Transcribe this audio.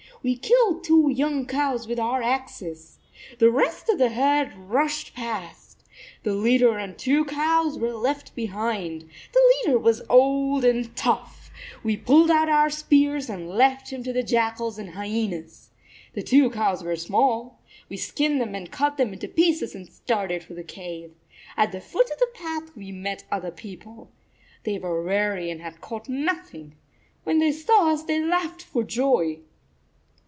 We killed two young cows with our axes. The rest of the herd rushed past. The leader and the two cows were left behind. The leader was old and tough. We pulled out our spears and left him to the jackals and hyenas. The two cows were small. We skinned them and cut them into pieces and started for the cave. At the foot of the path we met the 38 other people. They were weary and had caught nothing. When they saw us they laughed for joy."